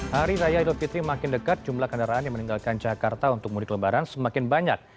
hari raya idul fitri makin dekat jumlah kendaraan yang meninggalkan jakarta untuk mudik lebaran semakin banyak